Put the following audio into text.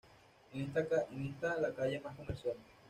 Es esta la calle más comercial.